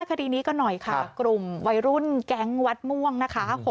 คดีนี้ก็หน่อยค่ะกลุ่มวัยรุ่นแก๊งวัดม่วงนะคะ